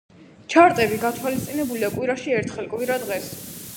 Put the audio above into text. ჩარტები გათვალისწინებულია კვირაში ერთხელ კვირა დღეს.